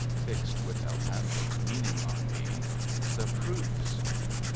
fixed with a lambent meaning on me, ' The Proofs.'